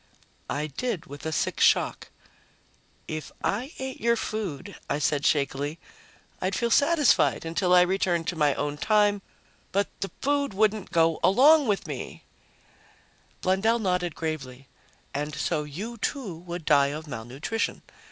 I did, with a sick shock. "If I ate your food," I said shakily, "I'd feel satisfied until I was returned to my own time. But the food wouldn't go along with me!" Blundell nodded gravely. "And so you, too, would die of malnutrition.